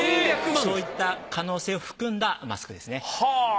そういった可能性を含んだマスクですね。